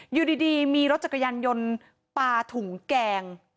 อยู่ดีมีรถจักรยานยนต์ปลาถุงแกง